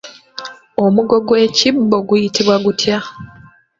Omugo gw'ekibbo guyitibwa gutya?